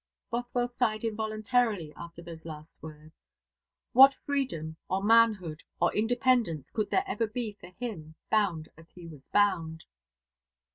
Bothwell sighed involuntarily after those last words. What freedom, or manhood, or independence could there ever be for him, bound as he was bound?